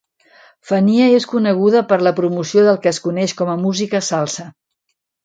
Fania és coneguda per la promoció del que és coneix com a música salsa.